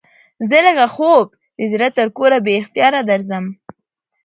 زه لکه خوب د زړه تر کوره بې اختیاره درځم